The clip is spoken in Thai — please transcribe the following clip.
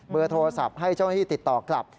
โทรศัพท์ให้เจ้าหน้าที่ติดต่อกลับ